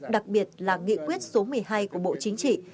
đặc biệt là nghị quyết số một mươi hai của bộ chính trị